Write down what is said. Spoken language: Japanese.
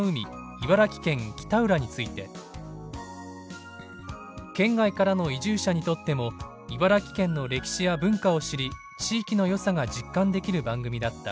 茨城県・北浦」について「県外からの移住者にとっても茨城県の歴史や文化を知り地域のよさが実感できる番組だった。